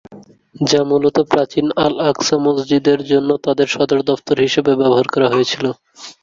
যা মূলত প্রাচীন আল-আকসা মসজিদের জন্য তাদের সদর দফতর হিসাবে ব্যবহার করা হয়েছিল।